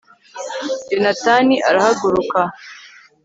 yonatani arahaguruka